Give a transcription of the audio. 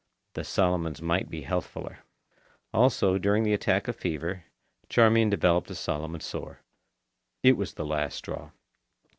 The Solomons might be healthfuller. Also, during the attack of fever, Charmian developed a Solomon sore. It was the last straw.